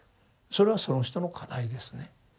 それはその人の課題ですね。